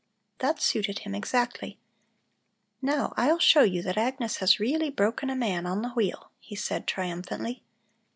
That suited him exactly. "Now, I'll show you that Agnes has really broken a man on the wheel," he said triumphantly.